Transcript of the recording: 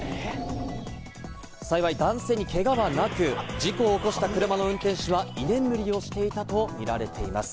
幸い男性にけがはなく、事故を起こした車の運転手は、居眠りだったとみられています。